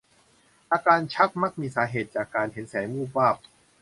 อาการชักมักมีสาเหตุจากการเห็นแสงวูบวาบ